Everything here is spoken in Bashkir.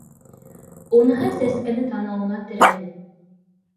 Уныһы сәскәне танауына терәне.